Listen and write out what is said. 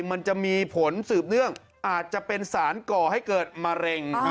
มันจะมีผลสืบเนื่องอาจจะเป็นสารก่อให้เกิดมะเร็ง